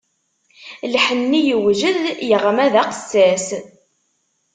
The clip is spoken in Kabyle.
Lḥenni yewjed, yeɣma d aqessas.